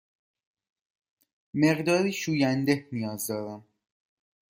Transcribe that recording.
مقداری شوینده نیاز دارم.